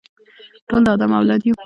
ټول د آدم اولاد یو.